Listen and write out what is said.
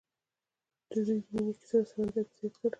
د دوی د مینې کیسه د سمندر په څېر تلله.